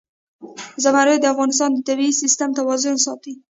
زمرد د افغانستان د طبعي سیسټم توازن ساتي.